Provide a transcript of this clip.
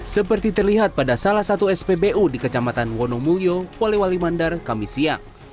seperti terlihat pada salah satu spbu di kecamatan wonomulyo wali wali mandar kamisiyang